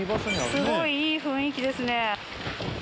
すごいいい雰囲気ですね。